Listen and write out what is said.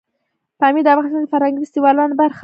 پامیر د افغانستان د فرهنګي فستیوالونو برخه ده.